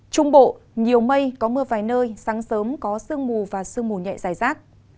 trung bộ nhiều mây có mưa vài nơi sáng sớm có sương mù và sương mù nhẹ dài rác